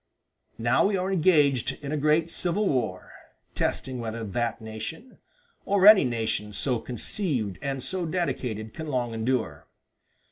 "Now we are engaged in a great civil war, testing whether that nation, or any nation so conceived and so dedicated, can long endure.